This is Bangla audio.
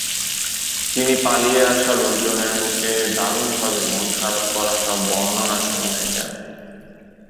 তিনি পালিয়ে আসা লোকজনের মুখে দারুণভাবে মন খারাপ করা সব বর্ণনা শুনেছেন।